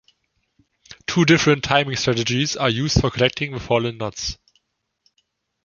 Two different timing strategies are used for collecting the fallen nuts.